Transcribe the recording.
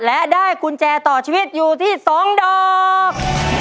และได้กุญแจต่อชีวิตอยู่ที่๒ดอก